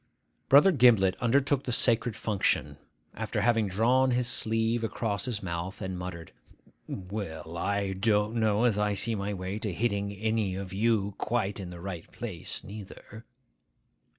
Brother Gimblet undertook the sacred function, after having drawn his sleeve across his mouth, and muttered, 'Well! I don't know as I see my way to hitting any of you quite in the right place neither.